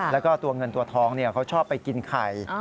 แล้วก็ตัวเงินตัวทองเขาชอบไปกินไข่